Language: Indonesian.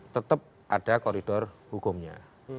tetap ada koridor hukumnya